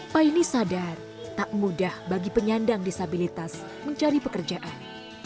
paine sadar tak mudah bagi penyandang disabilitas mencari pekerjaan